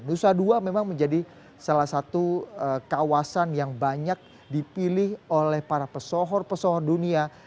nusa dua memang menjadi salah satu kawasan yang banyak dipilih oleh para pesohor pesohor dunia